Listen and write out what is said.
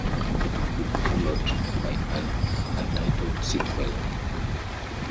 The book will be followed by an untitled sequel.